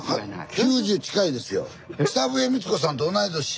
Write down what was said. ９０近いですよ。